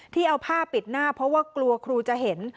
ที่เอาผ้าปิดหน้าเพราะว่ากลัวครูจะเห็น